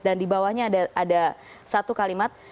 dan di bawahnya ada satu kalimat